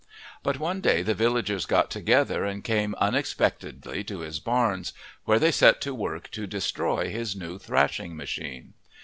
But one day the villagers got together and came unexpectedly to his barns, where they set to work to destroy his new thrashing machine.